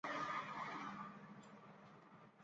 Erasure.Club tiene la duración de un álbum.